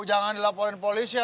jangan dilaporin polis ya